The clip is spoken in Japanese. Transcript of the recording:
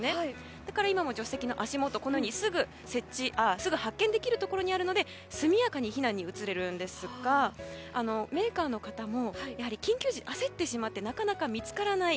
だから今も助手席の足元すぐ発見できるところにあるので速やかに避難に移れるんですがメーカーの方もやはり緊急時に焦ってしまってなかなか見つからない。